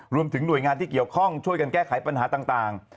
รวมถึงหน่วยงานที่เกี่ยวข้องช่วยกันแก้ไขปัญหาต่าง